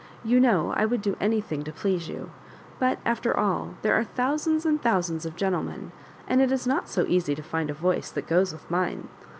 You know I would do anything to please you ;— ^but, aftec all, there are thousands and thousands of gentlemen, and it is not so easy to find a voice that goes with mme.